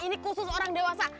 ini khusus orang dewasa